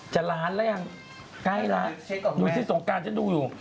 จะล้านแล้วหรือยังใกล้ล้านดูสิสงการจะดูอยู่